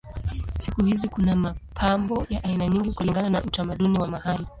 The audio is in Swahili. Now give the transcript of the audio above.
Siku hizi kuna mapambo ya aina nyingi kulingana na utamaduni wa mahali.